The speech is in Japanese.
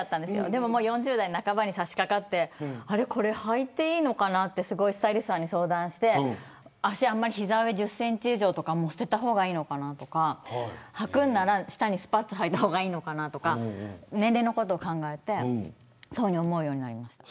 でも４０代半ばに差し掛かってこれ、はいていいのかなとスタイリストさんに相談して膝上１０センチ以上とか捨てた方がいいのかなとかはくなら下にスパッツはいた方がいいのかなとか年齢のことを考えてそういうふうに思うようになりました。